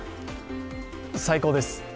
最高です。